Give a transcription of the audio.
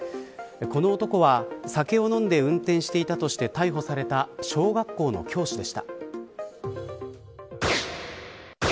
この男は酒を飲んで運転していたとして逮捕された小学校の教師でした。